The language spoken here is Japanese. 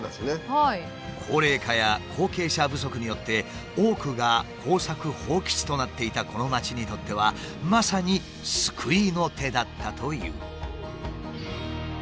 高齢化や後継者不足によって多くが耕作放棄地となっていたこの町にとってはまさに救いの手だったという。